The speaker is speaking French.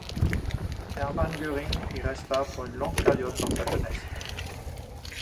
Hermann Göring y resta pour une longue période dans sa jeunesse.